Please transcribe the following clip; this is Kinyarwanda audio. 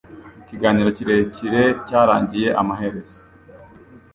Ikiganiro kirekire cyarangiye amaherezo.